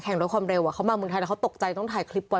รถความเร็วเขามาเมืองไทยแล้วเขาตกใจต้องถ่ายคลิปไว้